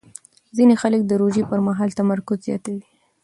ځینې خلک د روژې پر مهال تمرکز زیاتوي.